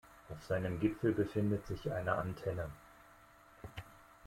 Auf seinem Gipfel befindet sich eine Antenne.